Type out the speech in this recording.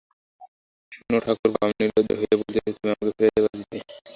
শুন ঠাকুরপো, আমি নির্লজ্জ হইয়া বলিতেছি, তুমি আমাকে ফিরাইতে পারিতে।